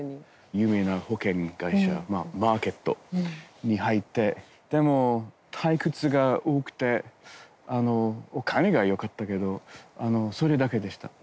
有名な保険会社マーケットに入ってでも退屈が多くてお金がよかったけどそれだけでした。